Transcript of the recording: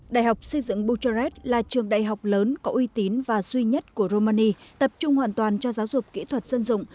đại học xây dựng buchares là trường đại học lớn có uy tín và duy nhất của romani tập trung hoàn toàn cho giáo dục kỹ thuật dân dụng